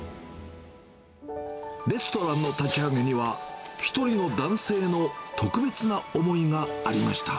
レストランの立ち上げには、一人の男性の特別な思いがありました。